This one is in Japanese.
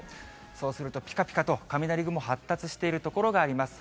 そうするとぴかぴかと雷雲、発達している所があります。